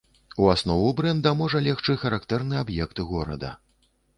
У аснову брэнда можа легчы характэрны аб'ект горада.